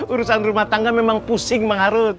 urusan rumah tangga memang pusing bang harun